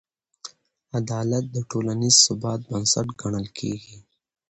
عدالت د ټولنیز ثبات بنسټ ګڼل کېږي.